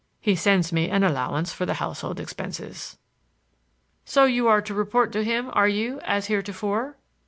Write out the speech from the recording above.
He sends me an allowance for the household expenses." "So you are to report to him, are you, as heretofore?"